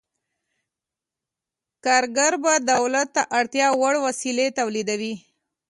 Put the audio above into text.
کارګر به دولت ته اړتیا وړ وسلې تولیدوي.